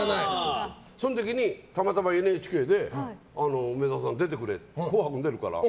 その時に、たまたまＮＨＫで梅沢さん、出てくれ「紅白」に出るから。